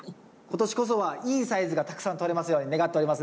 今年こそはいいサイズがたくさんとれますように願っておりますので。